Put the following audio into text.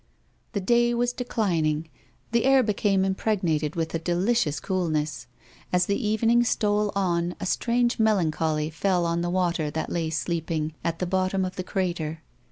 The day was declining; the air became impregnated with a delicious coolness. As the evening stole on, a strange melancholy fell on the water that lay sleeping at the bottom of the crater.